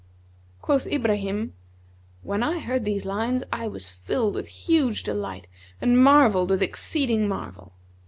(Quoth Ibrahim), When I heard these lines, I was filled with huge delight and marvelled with exceeding marvel.